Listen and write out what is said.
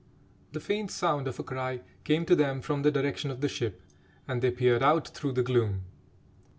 The faint sound of a cry came to them from the direction of the ship and they peered out through the gloom.